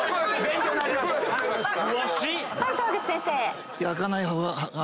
はい澤口先生。